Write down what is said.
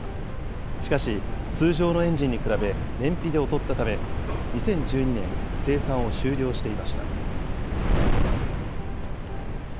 しかし、通常のエンジンに比べ燃費で劣ったため、２０１２年、生産を終了していました。